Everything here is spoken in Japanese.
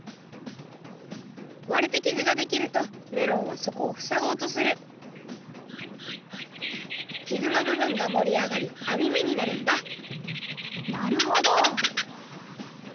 割れて傷ができるとメロンはそこをふさごうとする傷のぶぶんがもりあがりあみ目になるんだなるほど！